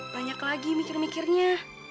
banyak lagi mikir mikirnya